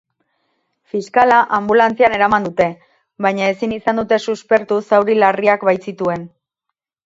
Fiskala anbulantzian eraman dute, baina ezin izan dute suspertu zauri larriak baitzituen.